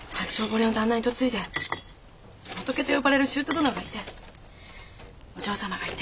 八丁堀の旦那に嫁いで仏と呼ばれる舅殿がいてお嬢様がいて。